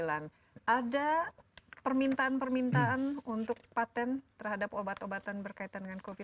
ada permintaan permintaan untuk patent terhadap obat obatan berkaitan dengan covid sembilan belas